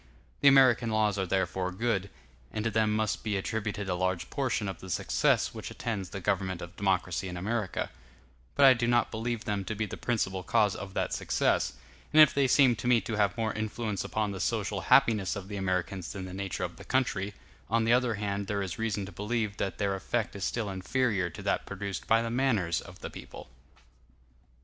The American laws are therefore good, and to them must be attributed a large portion of the success which attends the government of democracy in America: but I do not believe them to be the principal cause of that success; and if they seem to me to have more influence upon the social happiness of the Americans than the nature of the country, on the other hand there is reason to believe that their effect is still inferior to that produced by the manners of the people.